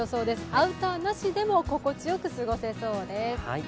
アウターなしでも心地よく過ごせそうです。